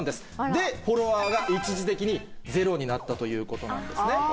でフォロワーが一時的にゼロになったということなんですね。